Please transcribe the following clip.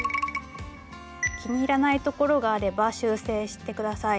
気に入らないところがあれば修正して下さい。